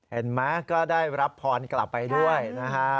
เห็นไหมก็ได้รับพรกลับไปด้วยนะฮะ